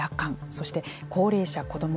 そして高齢者・子ども